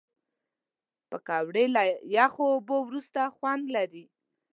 پکورې له یخو اوبو وروسته خوند لري